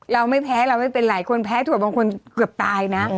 เราไม่แพ้เราไม่เป็นไรคนแพ้ถั่วบางคนเกือบตายนะ